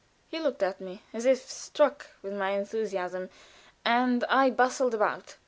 He looked at me as if struck with my enthusiasm, and I bustled about.